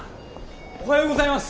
おはようございます。